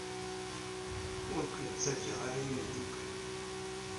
Ur ken-ttaǧǧaɣ ara a imeddukal.